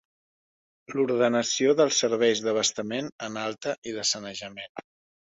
L'ordenació dels serveis d'abastament en alta i de sanejament.